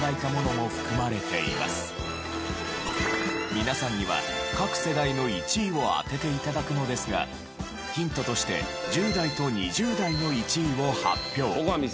皆さんには各世代の１位を当てて頂くのですがヒントとして１０代と２０代の１位を発表。